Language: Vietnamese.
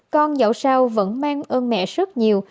con dẫu sao vẫn mang ơn mẹ rất nhiều